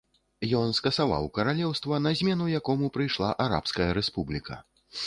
Ён скасаваў каралеўства, на змену якому прыйшла арабская рэспубліка.